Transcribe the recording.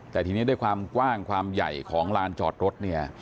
แต่ทีนี้ด้วยความกว้างความใหญ่ของลานจอดรถเนี่ย